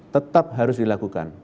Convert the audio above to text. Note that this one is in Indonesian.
tetap harus dilakukan